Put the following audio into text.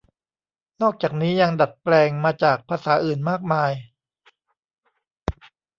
นอกจากนี้ยังดัดแปลงมาจากภาษาอื่นมากมาย